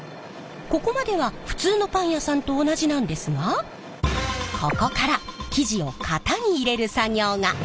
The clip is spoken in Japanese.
ここまでは普通のパン屋さんと同じなんですがここから生地を型に入れる作業が。